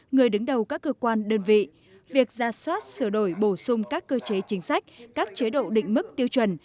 người đứng đầu các cơ quan đơn vị việc ra soát sửa đổi bổ sung các cơ chế chính sách các chế độ định mức tiêu chuẩn